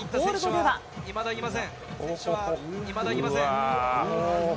いまだいません。